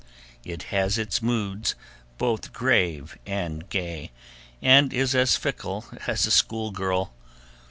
It has its moods both grave and gay, and is as fickle as a schoolgirl.